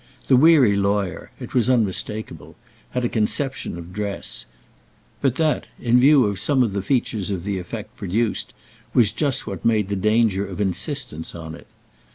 The weary lawyer—it was unmistakeable—had a conception of dress; but that, in view of some of the features of the effect produced, was just what made the danger of insistence on it.